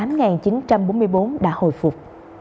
đến nay sức khỏe của tôi đã được hồi phục